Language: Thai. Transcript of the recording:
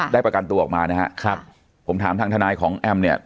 ประกันตัวออกมานะฮะครับผมถามทางทนายของแอมเนี่ย